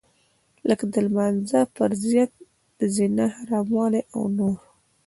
لکه د لمانځه فرضيت د زنا حراموالی او نور.